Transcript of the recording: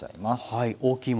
はい。